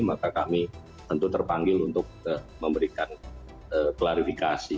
maka kami tentu terpanggil untuk memberikan klarifikasi